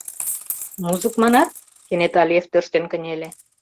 — Музык манат? — кенета Лев тӧрштен кынеле.